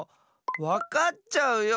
わかっちゃうよ！